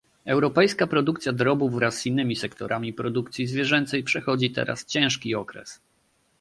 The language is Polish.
Europejska produkcja drobiu wraz z innymi sektorami produkcji zwierzęcej przechodzi teraz ciężki okres